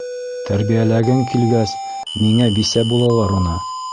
Тәрбиәләгең килгәс, миңә бисә булалар уны!